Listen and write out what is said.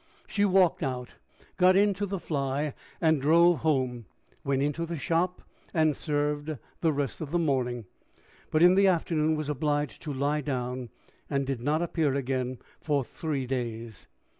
She walked out, got into the fly, and drove home; went into the shop, and served the rest of the morning; but in the afternoon was obliged to lie down, and did not appear again for three days.